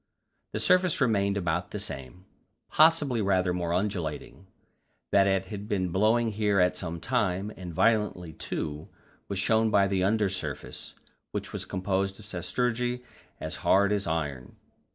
The surface remained about the same possibly rather more undulating. That it had been blowing here at some time, and violently too, was shown by the under surface, which was composed of sastrugi as hard as iron.